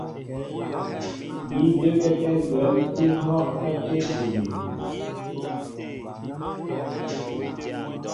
Ní də́kɛ́kɛ́ gwɛ̌m kɛ́ ihɔ́' á tébili myéŋ.